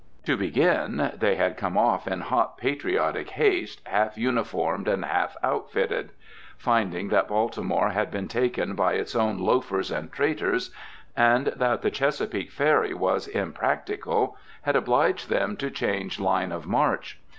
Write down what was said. To begin: They had come off in hot patriotic haste, half uniformed and half outfitted. Finding that Baltimore had been taken by its own loafers and traitors, and that the Chesapeake ferry was impracticable, had obliged them to change line of march.